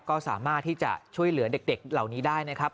ก็สามารถที่จะช่วยเหลือเด็กเหล่านี้ได้นะครับ